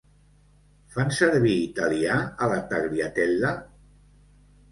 Fan servir italià a la Tagliatella?